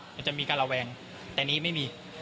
มันจะมีการระแวงแต่นี้ไม่มี